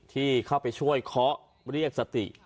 ที่เข้าไปช่วยข้อเรียกซะติ